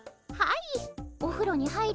はい。